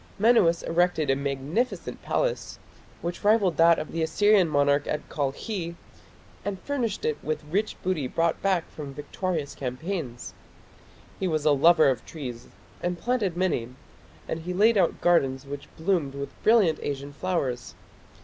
Menuas erected a magnificent palace, which rivalled that of the Assyrian monarch at Kalkhi, and furnished it with the rich booty brought back from victorious campaigns. He was a lover of trees and planted many, and he laid out gardens which bloomed with brilliant Asian flowers.